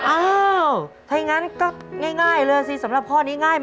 อ้าวถ้าอย่างนั้นก็ง่ายเลยสิสำหรับข้อนี้ง่ายไหม